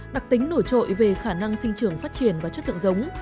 đặc tính nổi trội về khả năng sinh trưởng phát triển và chất lượng giống